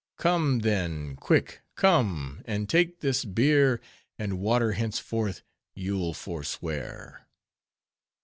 Come, then, quick come, and take this beer, And water henceforth you'll forswear."